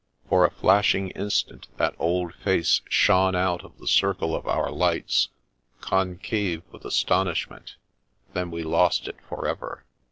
For a flashing instant that old face shone out of the circle of our lights, concave with astonish ment ; then we lost it forever.